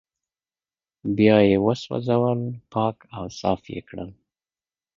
بيا يې وسوځول پاک او صاف يې کړل